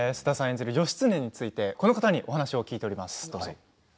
演じる義経についてこの方にお話を聞いています。